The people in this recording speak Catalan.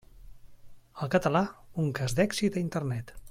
El català, un cas d'èxit a Internet.